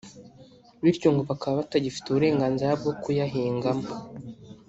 bityo ngo bakaba batagifite uburenganzira bwo kuyahingamo